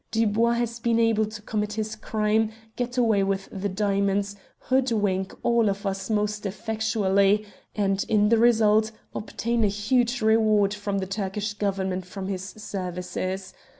Dubois has been able to commit his crime, get away with the diamonds, hoodwink all of us most effectually, and, in the result, obtain a huge reward from the Turkish Government for his services.